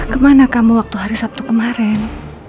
kemana kamu waktu hari sabtu kemarin